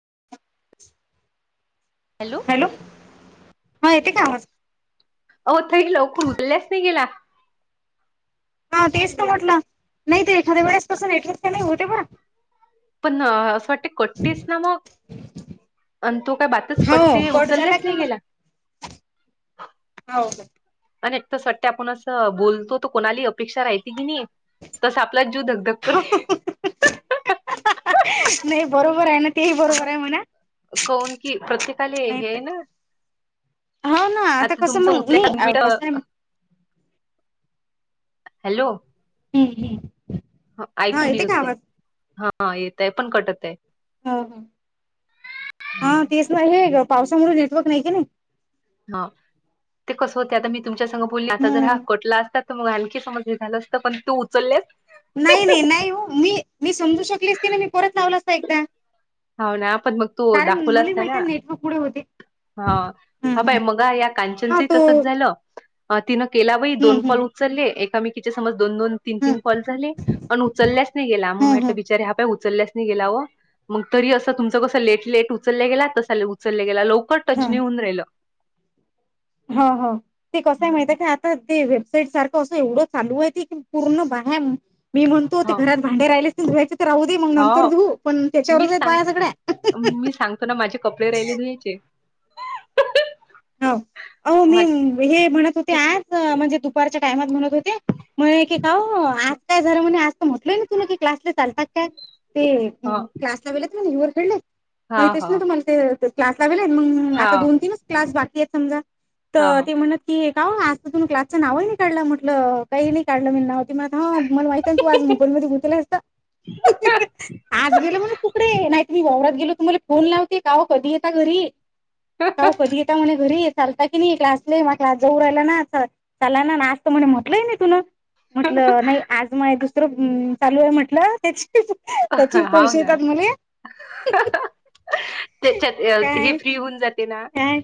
[unintelligible] Hello. हो येते का आवाज होथ लोकरुचलेच नाही गेला हा तेच तर म्हटलं नाही तर एखाद्या वेळेस कस पण असं वाटते कटतेस ना मग अ तो काय भातच कट्टे उचलल्याच नाही गेला हा. अन एकट स् वाट्या आपण असं बोलतो तर कोणाली अपेक्षा राहते की नाही. तस आपला जीव धकधक करते. नाही बरोबर आहे ना. तेही अ बरोबर आहे म्हणा कौन की प्रत्येकाले नाही तर हे ना हो ना आता कसं तुमचं मग उचले का मी नाही कसं. हॅलो. हम्म हम्म ह हा ऐकून येते का येतय आवाज हा येतय पण कटत आहे ह हा हा तेच नाही आहे ग पावसामुळे नेटवर्क नाही के नाही हा ते कसं होते आता मी तुमच्यास बोलली आता जर हम्म हा कटला असतात तर मग आणखी समज झालं असतं पण तू उचललेस नाही नाही नाही हो मी मी समजू शकलीस ती ना मी परत लावला असता एकदा हो ना पण मग तू कारण दाखवला मला असता ना माहिती आहे नेटवर्क पुढे होते हा हा हम्म पाय हम्म. मग या हा कांचनचं तो तसच झालं तिन केला वई हम्म दोन कॉल हम्म उचलले एका मी समज दो दन तीन हम्म तीन कॉल झाले उचलल्याच नाही गेलाग हम्म म्हट बच हम्म ह ल्या गेग त अस तु कस ले उच ग तच ग ल हा टचनेऊन राहिलं हो हो ते कसंय माहित का आता ते सारख अस एवढं चालू आहे की पूर्ण बाहे मी म्हणतो ह घरात भांडेर राहिले राहू दे मग नंतर हो धू पण मी त्याच्यावरच आहेत सांग बाया सगळ्या मी सांगतो ना माझे कपडे राहिले ह धुवायचे. हो हो मी माझे हे म्हणत होते आज म्हणजे दुपारच्या टायमात म्हणत होते म्हण क का आज काय झालं म्हणे आज म्हटलय तुला की क्लासला चालतात का हा हा हा [unintelligible] आ दोन हा तीन क्लास बाकी समजा तर हा. ती म्हण की का ओ आज तुम्ही क्लासच नावही नाही काढलंला म्हटलं काही नाही काढलं मी नाव म हा मला माहित ना तू आज मोबाईल मध्ये गुतलेली असत आज गेल म्हण कुकडे नाहीत मी वावरात गेलो तुम्हाला फोन लावते काओ कधी यता घरी काओ कधी येता म्हणे घरी चालता की नाही क्लासला मग क्लास जाऊ राहिला ना चालाय ना आज तर म्हणे म्हटलंय नाही तुनं म्हटलं नाही आज म दुसरं चालू आहे म्हटलं त्या त्याचे हाव पैसे ना. येतात मले त्याच्यात हे काय फ्री होऊन जाते काय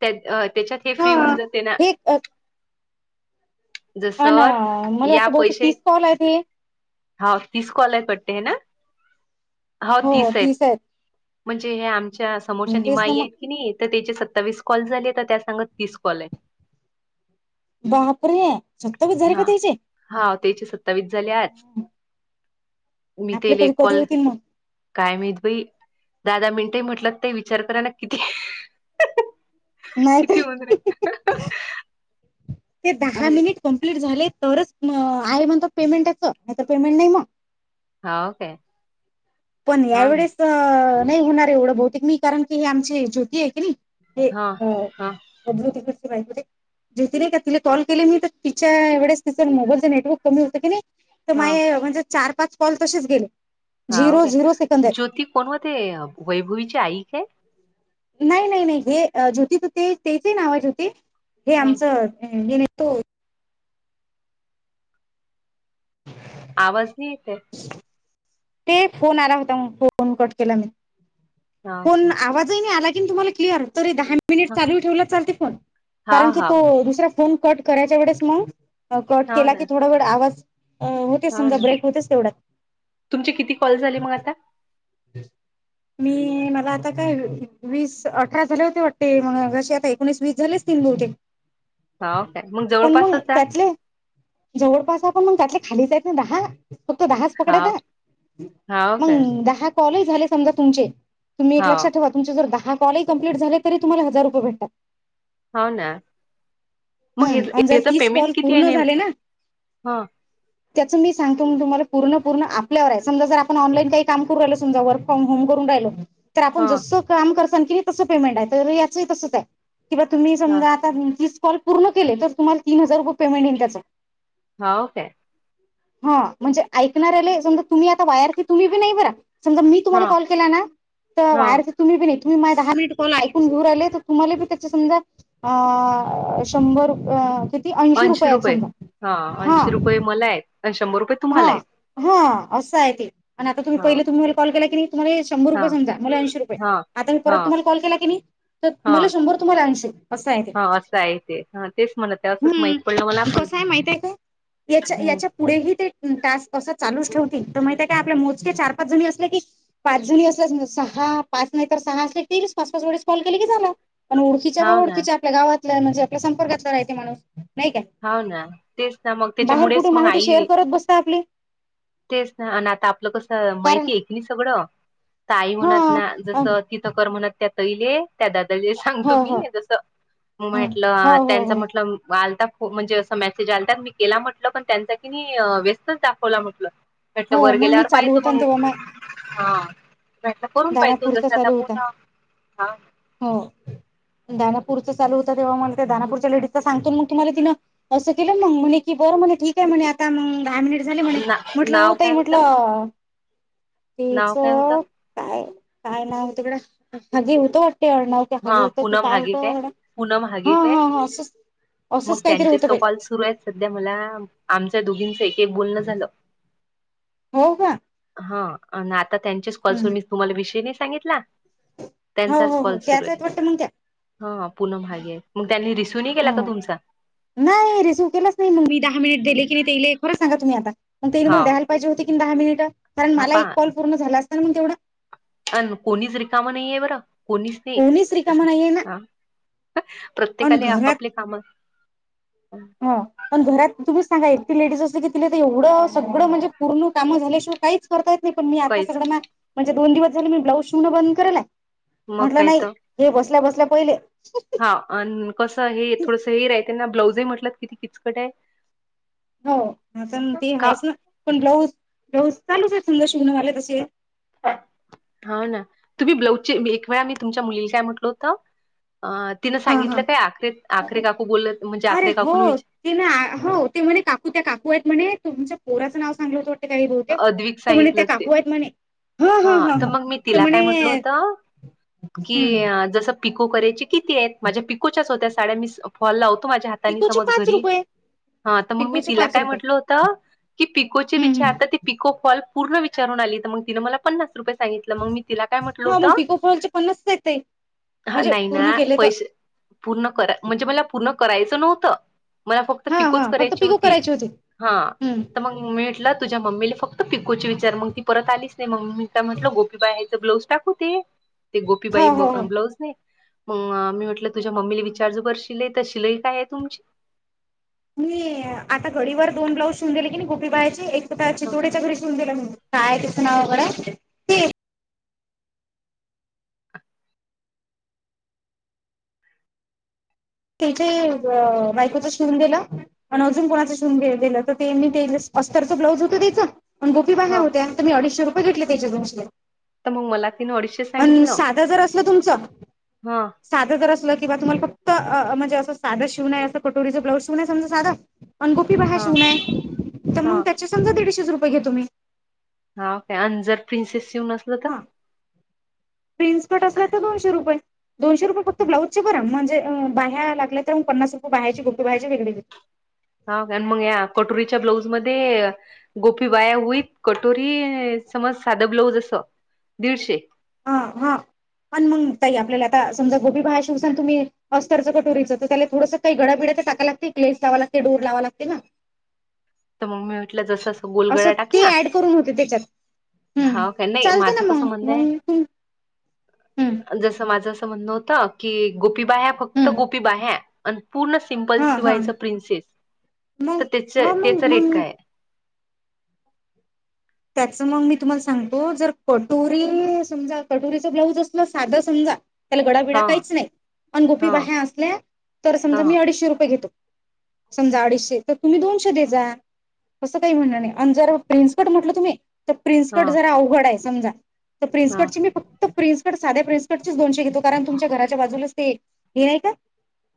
त्याच्यात हे फ्री हा. होऊन जाते ना हे अ, जस अन मला या वाटतं बहुतेक पैसे तीस कॉल आहे ते हा तीस कॉल आहेत वाटत हो तीस आहेत म्हणजे हे आमच्या समोरच्या तेच ना निमाई मग आहेत की नाही तर त्याची सत्तावीस कॉल झाले, तर त्या सांगत तीस कॉल आहे. बापरे! सत्तावीस झाले का त्यांचे? तेचे सत्तावीस झाल्यात. मी आपले तेले कधी कधी कॉल! होतील मग काय माहित बई दहा- दहा मिनटही म्हटलत ते विचार कराय ना किती, किती होऊन राहिले. नाहीत ते दहा म्हणजे मिनिट कंप्लीट झाले तरच म आहे म्हणत पेमेंट याचं नाही तर पेमेंट नाही मग हा ओके पण यावेेळेस नाही होणार एवढं बहुतेक मी कारण की हे आमची ज्योती आहे की नाही ते हां, अ हां, प [unintelligible] ेती नाही का तिला कॉल केले मी तर तिच्या वेळेस तिच मोबाईलचं नेटवर्क कमी होतं की नाही तर हां. माय म्हणजे चार पाच कॉल तसेच गेले हाव झिरो काय झिरो सेकंद आहे ज्योती कोण व ते वैभवीचे आई काय नाही नाही नाही हे ज्योती त ते तेच नाव आहे ज्योती हे हं, आमचं हे नाही तो ह [inaudible] आवाज नाही येते ते फोन आला होता मग फोन कट केला, मी हां, ओके. फोन आवाजही नाही आला. आवाज क्लियर तरी दहा मिनिट हां, चालू ठेवला तरी चालते फोन कारण हां, की तो हां. दुसरा फोन कट करायच्या वेळेस मग कट हो केला ना, की थोडा वेळ आवाज. अं होतेस हो समजा ना. ब्रेक होतेस तेवढ्या तुमचे किती कॉल झाले मग आता हम [inaudible] मी मला आता काय वीस अठरा झाले होते वाटते म अशी आता एकोणीस वीस झाली हो काय? पण मग जवळपासच आहे. त्यातले जवळपास मग त्यातले खालीच आहेत ना दहा फक्त दहाच पकडा हां, का हो काय? मग दहा कॉलच झाले समजा तुमचे तुम्ही एक हो, लक्षात ठेवा तुम जर दहा कॉलही कम्प्लीट झाले तुम्हाला हजार रुपये भेटतात हो ना मग हम्म आणि जर याच तीस पेमेंट कॉल किती आहे पूर्ण न झाले ना हा त्याचं मी सांगतो म तुमला पूर्ण पूर्ण आपल्यावर आहे समजा जर आपण ऑनलाई काम करू समजा वर्क फ्रॉम होम करू राहिलो तर आपण हं, जसं काम कर मं तस पेमेंट आहे याचही तसंच आहे तुम्ही हं. समजा आता कॉल पूर्ण केले तर तुम्हाला तीन हजार रुपये पेमेंट येईल त्याचा हो काय हा म्हणजे ऐकणार आले समजा तुम्ही आता वायर की तुम्ही बी नाही बरा समजा मी तुम्हाला हं, कॉल केला ना तर हं. बाहेरच तुम्ही बी यो त मा दहा मिनट कॉल ऐकून घेऊ आले तर तुम्हाले बी त्याचे समजा शंभर ऐंशी रुपये हा ऐंशी रुपये मला आहेत शंभर रुपये हा तुम्हाला आहेत हा असं आहे ते आणि आ तुम्ही हां, पहिले तुम्हीला कॉल केला की नाही तुमला शंभर रुपय हां. समजा मला ऐंशी रुये हां, आता मी परत हां, तुम्हाला कॉल केला क नाही तर मला हां, शंभर तुम्हाला ऐंशी अस आहे ते हां. असं आहे ते. हां, तेच म्हणत आहे. असंच माहीत पडलं मला हम्म पण. कस आहे माहित आहे का याच्या हं. याच्या पुढेही ते चालू ठेव माह का आपल्या मोजके चार पाच जणी अस की पाच जणी अस सहा पाच नाही तर सहा असले तेच पाच पाच वेळेस कॉल केले की झाला पण ओळखीच्या बा हाव ना, ओळखीच्या आपल्या गावातल्या म्हणजे आपल्या संपर्कातला राहते माणूस नाही काय होना तेच ना मग बाहेर त्याच्यामुळेच कुठे मग माहिती शेअर आई करत बसता आपली तेच ना आणि आता आपलं कसं कारण माहिती आहे की नाही सगळं ताई हा म्हणत ना जस हो तिथकर म्हणत त्या तैले त्या ददा जे हो सांगतो हो मी जस म म्हटलं हो त्यांच हो म्हटलं आलता म्हणजे असं मेसेज आलत मी केला म्हटलं पण त्यांचा की नाही व्यस्तच दाखवला म्हटलं म्हटलं हो वर मग मी गेल्यावर चालू पाहितो होता मंग तेव्हा मा हा करून पाहितो दानापूरचा जसं आता चालू होता बोला हा दानापूर चालू होता तेव्हा मला त्या दानापूरच्या लेडीजचा सांगतो मग तुम्हाला तिनं असं केलं मग म्हणे की बरं म्हणे ठीक आहे म्हणे आता म दहा मिनिट झाले म्हणे ना म्हटलं नाव होतय काय होतं? म्हटलं तच नाव काय होतं? का काय नाव होतडंग ते अडणवते ह हा होत ते पूनम काय हागे होतं पूनम हागे हा काय? हा असं मग त्यांचेच तो कॉल सुरू आहेत सध्या मला आम दोघींच एक एक बोलण झालं हो का हा अन् आता त्यांच्याच कॉल्स व मी तुम्हाला विषय नाही सांगितला हो त्यांचाच हो हो कॉल्स त्याच वाटत मंग त्या ह पुन्हा मागे मग त्यांनी नाही केला का हम तुमचा नाही रिसिव केलाच नाही मग मी दहा मिनिट दिले की नाही ते येले खरं सांगा तुम्ही आता मग तने हा मला द्यायला पाहिजे होते की दहा मिनिट कारण हा मला एक कॉल पूर्ण झाला असता मग तेवढं अ कोणीच रिकामा नाहीये बरं कोणीच नाही कोणीच रिकामा नाहीये ना ह आणि प्रत्येकाला आपापले काम हा पण घरात तु सांगाे लेडीज असं कि तिला तर एवढं सगळं म्हणजे पूर्ण काम झाल्या शिवाय काहीच करतय नाही पण मी आता काहीच सगळं म्हणजे दोन दिवस झाले मी ब्लाऊज शिवण बंद करेलाय मग म्हंटलं काय नाही तर हे बसल्या बसल्या पहिले हा अ कसं हे थोडसं हेर आहे त्यांना ब्लाऊजही म्हटलं किती किचकट आहे हो आता ते का आहेच ना पण ब्लाऊज ब्लाऊज चालूच आहे समजा शिवनेवाला तशी आहे हा ना तुम्ही ब्लाउज एक वेळा मी तुमच्या मुलीले काय म्हटल होत अ तिनं हा हा सांगितलं काय आखरे आखरे काकू बोलत म्हणजे अरे आखरे काकू न हो विचार ते ना हो ते म्हणे काकू त्या काकू आहेत म्हणे तुमच्या पोराचं नाव सांगलं होत वाटतं काही बहुतेक अद्विक तर म्हणे सांगितलं त्या असेल काकू आहेत म्हणे हा तर मग मी तिला काय म्हटल होत की हम्म जस पिकू करायची किती आहेत माझ्या पिकोच्याच होत्या साड्या मी फॉल लावतो माझ्या हातानी पिकोचे समज पाच घरी रुपये हा तर मग मी पिकोचे तिला पाच काय रुपये म्हटलं होतं की पिकोचे हम्म विचारता हम्म ते पिको फॉल पूर्ण विचारून आली तर मग तिनं मला पन्नास रुपये सांगितलं मग मी तिला काय म्हटल हा होत मग पिको फॉलचे पन्नासच आहेत ताई हा म्हणजे नाही पूर्ण ना केले तर पैसे पूर्ण करा म्हणजे मला पूर्ण करायचं नव्हतं मला फक्त हा पिकोच हा फक्त करायची पिको होती करायची हा हम्म तर मग म्हटल तुझ्या मम्मीला फक्त पिकोचे विचार मग ती परत आलीच नाही मम्मीदा म्हटलं गोपी बा ह्यायच ब्लाऊज टाकू ते ते हो गोपीबाई हो हो ब्लाऊज न मग मी म्हटलं तुझ्या मम्मीला विचारजू ब शिलाई तर शिलाई काय आहे तुमची मी आता घडीवर दोन ब्लाउज शून दिले की नाही गोपीबायाचे एक त्या ह चितोड्याच्या घरी शवून दिला म्हणून काय तचं नाव वगडं ते त्याचे बायकोचा शिवून गेला आणि अजून कोणाच शिवून गेलं तर तेी ते अस्तरच ब्लाज हो त्याच पण गोी बा्या ह हो्या आणि तर मी अडीचशे रुपये घेतले त्याच्या दोनशीला तर मग मला तिने अडीचशे प सांगितलं सात हजार असल तुमच हा सात हजार असल किं तु्हाला फक्तहणे अस साधा शिवणय असं कटोरीच ब्लाज शिवय समजा साधं अनगोपी बाहा हा शिवण आहे तर हा मग त्याचे समजा दीडशे रुपये घेत तु म्ही हा का आणि जर प्रिन्सेस शिवून असलं तर हा प्रिन्स कट असेल तर दोनशे रुपय. दोनशे रुपये फ चे बरा म्हणजे बाह्या लागल्या तर मग पन्ना रुपयेहायची गोपीहाय वेळे हा मग या कटोरीच्या ब्लाऊज मध्ये गोपी बाह्या होईत कटोरी समज साध ब्लज अस दीडशे, हा हा आणि मग का आपल्याला आता समजा गोबी बाहा शिवसान तुम्ही अस्तरच कटोरीच तर त्या थोडं काही घडाबिड टाका लाग क्लेस लावा लागते डोर लावा लागते ना! तर मम्मी म्हटलं जस असं गोलगडा ते टाकल्या ऍड करून होते त्याच्यात हम्म हा काय नाही चालते ना माझं मग कसंबंद आहे मग तुम हम्म जसं माझं असं म्हणणं होतं की गोपीबाह्या फक्त हम्म गोपीबाह्या अन पूर्ण सिम्पल हा हा शिवायच प्रिन्सेस तर मग त्याच हा मग त्याचा रेट मग काय आहे. हो त्याच मग मी तुम्हाला सांगतो जर कटोरी समजा कटोरीच ब्लाऊज असलं साधं समजा त्याला गडाबिडा हा काहीच नाही, पण गोपी हा बाहे्या असल्या तर हा समजा मी अडीचशे रुपये घेतो. समजा अडीचशे तर तुम्ही दोनशे दे जा असं काही म्हणं नाही आणि जर प्रिन्सकोट म्हटलं तुम्ही, त प्रिन्स हा कट जरा अवघड ये समजा तर प्रिन्स हा कट ची मी फक्त प्रिन्स साध्या प्रिनंसकटच दोनशे घेतो कारण तुमच्या घराच्या बाजूलाच ते हे नाही का?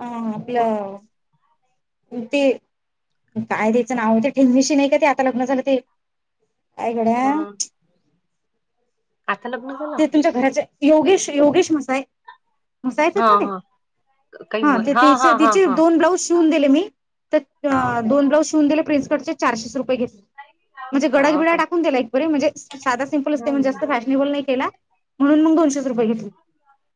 हा कोण आपला. ते काय त्याचं नाव ते ठेंगविशी नाही का ते आता लग्न झालं ते, कायकड हा [unintelligible] आता लग्न झालं. योगेश योगेश मसाय, हसायचं हा ना र हा काही हा म ते त हा हा तिचे हा दोन ब्लाज, शिवून दिले मी तर हा ओके दोन ब्लाउज शिवून दिले प्रिन्स कटचे चारशेच रुपये घेतले, म्हणजे हा गडा ओके बिडाकून दि एक बरी म्हणज सादा सिम्प असते मग जास्त फॅशनेबल नाही. म्हणून मग दोनशे रुपये घेतले.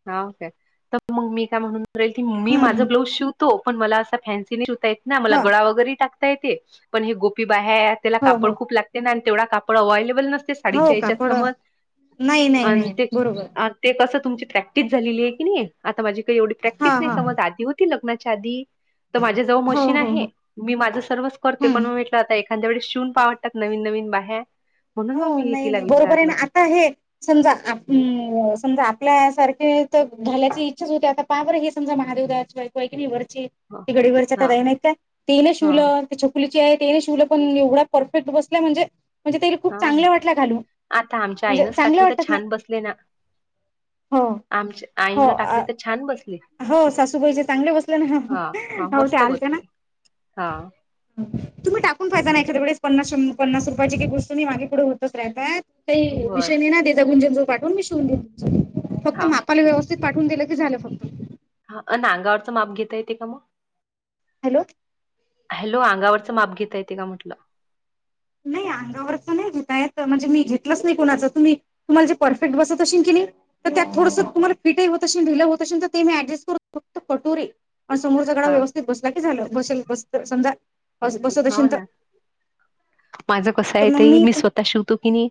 हाे तर मग मी काय म्हणूनेल की म मी हम्म माझं ब्लाउज शिव पण मला अस फन्सी य ना मला हा गळा वगैरे टाता येते पण हे गोपी बाहेर त्याला हो हो कापड खूप लागते ना आणि तेवढा कापड अवलेबल नस हो साडीच्या यांच्यात कापड समज नाही नाही आण नाही ते बरोबर आण ते कस तुमची प्रॅक्टिस झालेली आहे की नाही आता माझी काही एवढी प्रॅक्टिस हा नाही हा समज आधी होती लग्नाच्या आधी तर माझे जवळ हो मशीन हो आहे हो मी माझं सर्वच करते हम्म पण म म्हटलं आता एखाद्या वे शिवून पावडतात नवीन नवीन बाहेर हो नाही नाही बरोबर आहे तर आता हे समजा समजा आपल्या सारखे तर झाल्याची इच्छाच होते आता पहा बर हे समजा महादेव दादाची बायको आहे का नाही वर गडीवररच्या हा काही नाही का ते नाही हा शिवलं त छकुली त्यांनी शिवल पण येवढं परफेक्ट बसला म्हणजे [unintelligible] हा वाटल्या घालून आता आमच्या म्हणजे आईनच चांगल्या टाकले तर वाटतात ना छान बसले ना हो आमच्या हो आईन अ, टाकली तर छान बसली. हो सासूबाईचे चांगले बसले ना हा हो ते मस्त आलत्या ना बसले हा तुम्ही टाकून फायज नाही एखाद्या वेळेस प पन्नास रुपयाची काही वत मागे पुढे होतच रातात का बर विषय नाही त्याुं पाठून मी शवून फक्त हा मापाला ठीक व्यवस्थित पाठून दिलं की झालं फक्त हा अ नांगावरचं माप घेता येते का मग? हॅलो हॅलो अंगावरचं माप घेता येते का म्हटलं नाही अंगावरच नाही घेता येत. म्हणजे मी घेतलंच नाही. कोणाच, तुम्हाला जे परफेक्ट बसत असेल की नाही त्या थोडस तुम्हाला फिटही होत असेल, ढील होत असेल तर ते मी ऍडजस्ट करू फक्त कटोरी पण समोरचागळा हा व्यवस्थित बसला की झालं बसेल बसत समजा बसत हो आशेन ना तर माझं कसं तर आहे त मग मी स्वतः शिवतो की नाही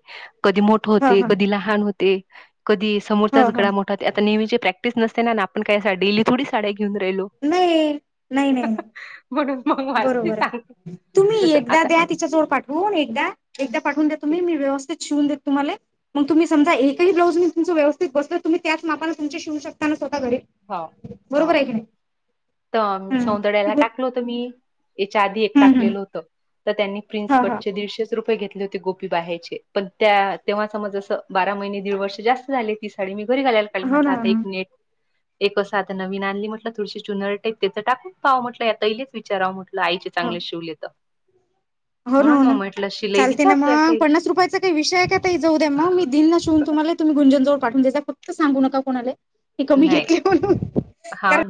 कधी हा ते हा कधी लहान होते. कधी हा समोरच हा गडा मोठाात आता नेहमीचे प्रॅक्टिस नसते ना आपण काय डेली थोडी साड्या घेऊन राहिलो नाही नाही नाही हह नाही म्हणून मग वाात बरोबर आहे. सांग तुम्ही एकदा द्या तिच्या जोळ पाठवून एकदा एकदा पाठवून द्या ठीक. तुम्ही मी व्यवस्थित शिवून देत तुम्हाला मग तुम् समजा एकही ब्लाउज मीुमच व्यवस्थित बसल तुम् त्याच माला त शिवू शकता. स्वतः घरी, हो हो. बरोबर आहे की नाही. तर सौंदड्याला टाकलं होतं मी याच्या आधी एक हम्म हम्म टाकलेलं होतं तर त्यांनी प्रिन्स हा कट हा चे दीडशेच रुपये घेतले. हो गोपी बाहायचे पण त्या तेव्हा समज बारा महिने दीड वर्ष जास्त झाले ती साडी मी बरी घालायला कली हो म्हटलं ना हो आता ना एक मिनिट एकसात नवीन आणली म्हटलं थोडीशी चुनर टईप त्याच टाकून पाहा म्हटलं या तहिलेचारावट आईचे हो चांगले शिवले तर हो ना म्हणून हो मग ना म्हटलं शिलाई चालते ना विचारतो या मग ताईला. पन्नास रुपयाचा का विषय काही जाऊ्या मगी दिन ना शव तुम्हा तम्ही गुंजन जोड पाठून द्याय फक्त सांगू नका कोणाला ते कमी नाही घेतले म्हण हाव कारण